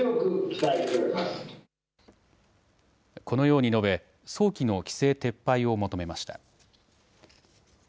このように述べ、早期の規制撤廃を求めました。